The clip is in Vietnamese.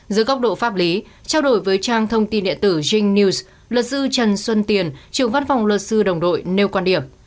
dưới góc độ pháp lý trao đổi với trang thông tin điện tử jing news luật sư trần xuân tiền trưởng văn phòng luật sư đồng đội nêu quan điểm